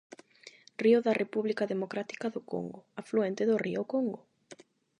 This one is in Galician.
Río da República Democrática do Congo, afluente do río Congo.